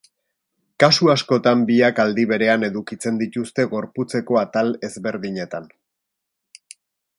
Kasu askotan biak aldi berean edukitzen dituzte gorputzeko atal ezberdinetan.